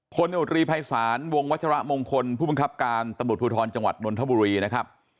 พลโนตรีภัยศาลวงวัชระมงคลผู้บังคับการตำรวจภูทรจังหวัดนนทบุรีนะครับ